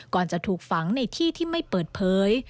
ก่อนจะถูกฝังในที่ที่ไม่เปิดเผย